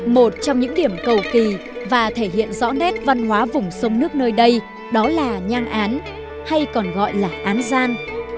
một trong những điểm cầu kỳ và thể hiện rõ nét văn hóa vùng sông nước nơi đây đó là nhang án hay còn gọi là án gian